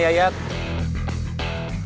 di pasar dan di terminal